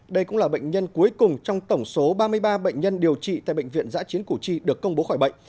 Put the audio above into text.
đây cũng là bệnh nhân cuối cùng trong tổng số ba mươi ba bệnh nhân điều trị tại bệnh viện giã chiến củ chi được công bố khỏi bệnh